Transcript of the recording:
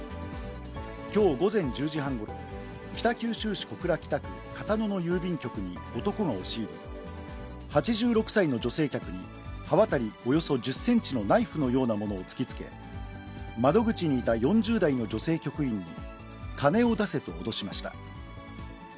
きょう午前１０時半ごろ、北九州市小倉北区片野の郵便局に男が押し入り、８６歳の女性客に、刃渡りおよそ１０センチのナイフのようなものを突きつけ、窓口にいた４０代の女性局員に金を出せと脅しました。